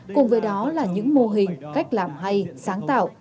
cùng với đó là những mô hình cách làm hay sáng tạo